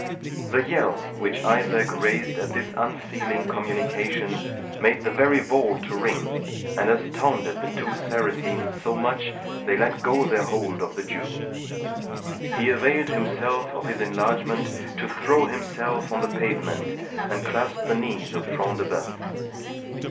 The yell which Isaac raised at this unfeeling communication made the very vault to ring, and astounded the two Saracens so much that they let go their hold of the Jew. He availed himself of his enlargement to throw himself on the pavement, and clasp the knees of Front de Bœuf.